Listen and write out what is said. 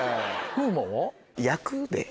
風磨は？